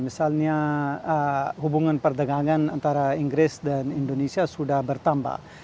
misalnya hubungan perdagangan antara inggris dan indonesia sudah bertambah